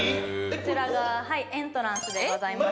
こちらがはいエントランスでございます。